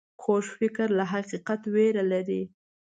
کوږ فکر له حقیقت ویره لري